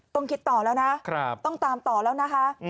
ต้องคิดต่อแล้วนะต้องตามต่อแล้วนะคะ